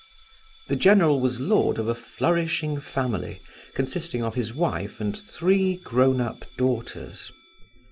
The general was lord of a flourishing family, consisting of his wife and three grown up daughters.